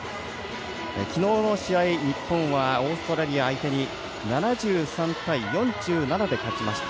昨日の試合、日本はオーストラリア相手に７３対４７で勝ちました。